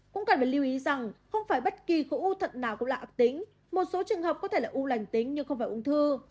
cũng cần phải lưu ý rằng không phải bất kỳ khối u thận nào cũng là ác tính một số trường hợp có thể là u lành tính nhưng không phải ung thư